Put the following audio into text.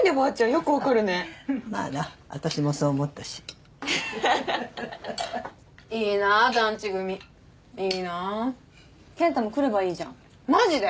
よくわかるねまあな私もそう思ったしははははっいいな団地組いいなーケンタも来ればいいじゃんマジで？